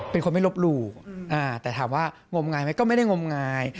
เป็นคนไม่ลบหลู่แต่ถามว่างมงายไหมก็ไม่ได้งมงาย